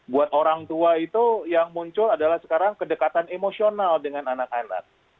buat orang tua itu yang muncul adalah sekarang kedekatan emosional dengan anak anak